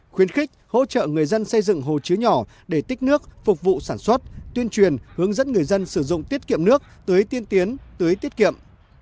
khuyến khích hỗ trợ người dân xây dựng hồ chứa nhỏ để tích nước phục vụ sản xuất tuyên truyền hướng dẫn người dân sử dụng tiết kiệm nước tưới tiên tiến tới tiết kiệm